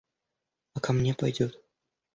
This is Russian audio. А ко мне пойдет?